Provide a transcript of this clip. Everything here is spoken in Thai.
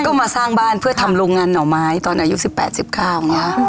ก็มาสร้างบ้านเพื่อทำโรงงานหน่อไม้ตอนอายุ๑๘๑๙อย่างนี้ค่ะ